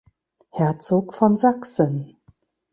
Herzog von Sachsen.